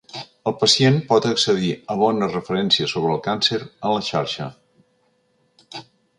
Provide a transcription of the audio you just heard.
El pacient pot accedir a bones referències sobre el càncer en la xarxa?